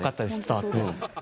伝わって。